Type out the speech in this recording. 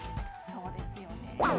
そうですよね。